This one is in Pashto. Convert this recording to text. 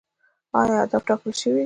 آیا اهداف ټاکل شوي دي؟